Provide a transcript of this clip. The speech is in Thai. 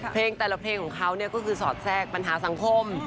เพลงแต่ละเพลงของเขาก็คือสอดแทรกปัญหาสังคม